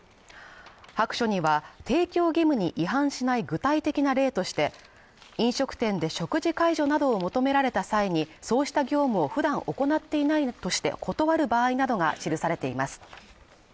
白書には提供義務に違反しない具体的な例として飲食店で食事介助などを求められた際に、そうした業務を普段行っていないとして断る場合などが記されています。